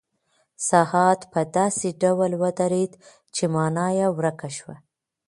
ساعت په داسې ډول ودرېد چې مانا یې ورکه شوه.